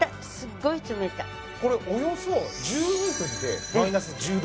これおよそ１２分でマイナス１０度ぐらいまで。